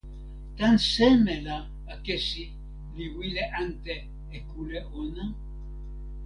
tan seme la akesi li wile ante e kule ona?